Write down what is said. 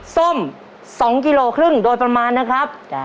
ส้ม๒กิโลครึ่งโดยประมาณนะครับ